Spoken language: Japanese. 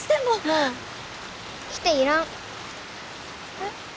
えっ。